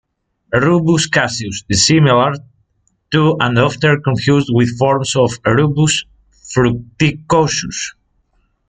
"Rubus caesius" is similar to and often confused with forms of "Rubus fruticosus".